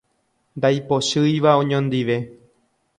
Ndaipochýiva oñondive.